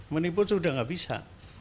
menipu sudah tidak bisa